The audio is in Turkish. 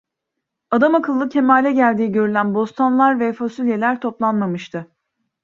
Adamakıllı kemale geldiği görülen bostanlar ve fasulyeler toplanmamıştı.